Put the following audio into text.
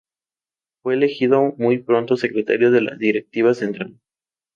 Fue elegido muy pronto secretario de la Directiva Central.